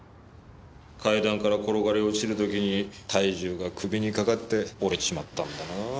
階段から転がり落ちる時に体重が首にかかって折れちまったんだなぁ。